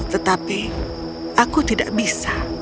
tetapi aku tidak bisa